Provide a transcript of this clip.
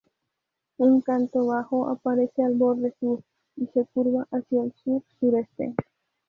Un canto bajo aparece al borde sur, y se curva hacia el sur-sureste.